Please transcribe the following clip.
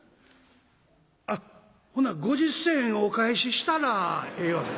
あっほな５０銭お返ししたらええわけ？」。